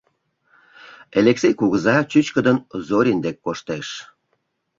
Элексей кугыза чӱчкыдын Зорин дек коштеш.